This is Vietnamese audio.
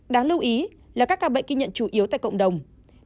đáng lưu ý là các ca bệnh ghi nhận chủ yếu tại cộng đồng năm mươi bốn ba mươi một